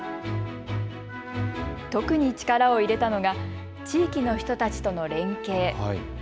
特に力を入れたのが地域の人たちとの連携。